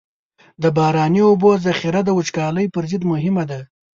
د باراني اوبو ذخیره د وچکالۍ پر ضد مهمه ده.